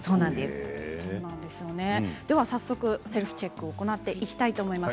では早速セルフチェックを行っていきたいと思います。